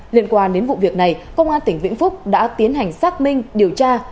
liên quan đến vụ việc này công an tỉnh vĩnh phúc đã tiến hành xác minh điều tra